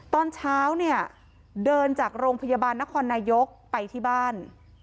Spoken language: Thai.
ตอนเช้าเนี่ยเดินจากโรงพยาบาลนครนายกไปที่บ้าน